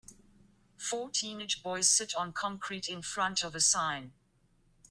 Four teenage boys sit on concrete in front of a sign.